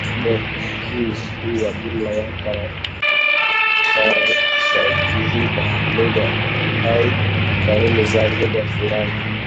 Mfumo huu huwa jumla ya tajriba lugha au kanuni za lugha fulani